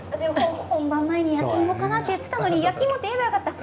本番前に焼き芋かなと言っていたのに焼き芋といえばよかった。